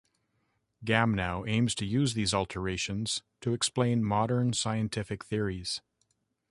Gamow aims to use these alterations to explain modern scientific theories.